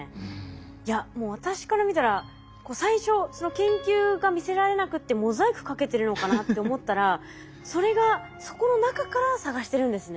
いやもう私から見たら最初その研究が見せられなくてモザイクかけてるのかなって思ったらそれがそこの中から探してるんですね。